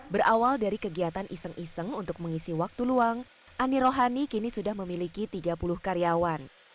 berawal dari kegiatan iseng iseng untuk mengisi waktu luang ani rohani kini sudah memiliki tiga puluh karyawan